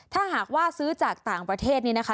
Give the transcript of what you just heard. ถ้าหากว่าซื้อจากต่างประเทศนี้นะคะ